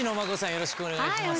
よろしくお願いします。